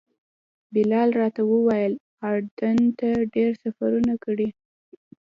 بلال راته وویل اردن ته ډېر سفرونه کړي.